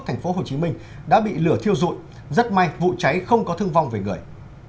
tp hcm đã bị lửa thiêu rụi rất may vụ cháy không có thương vong về người